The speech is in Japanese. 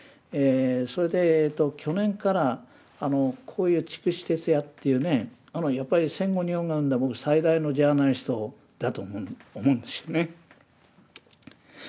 それで去年からこういう筑紫哲也っていうねやっぱり戦後日本が生んだ最大のジャーナリストだと思うんですよね。